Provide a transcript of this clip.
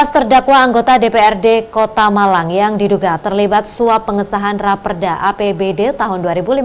tujuh belas terdakwa anggota dprd kota malang yang diduga terlibat suap pengesahan raperda apbd tahun dua ribu lima belas